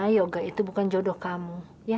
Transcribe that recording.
yoga itu bukan jodoh kamu